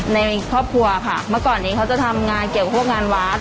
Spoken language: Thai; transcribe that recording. ในครอบครัวค่ะเมื่อก่อนนี้เขาจะทำงานเกี่ยวกับพวกงานวัด